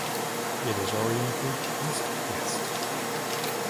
It is oriented east–west.